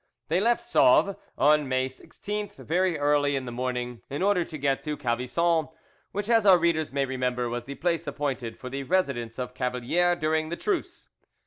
They left Sauves on May 16th very early in the morning, in order to get to Calvisson, which, as our readers may remember, was the place appointed for the residence of Cavalier during the truce.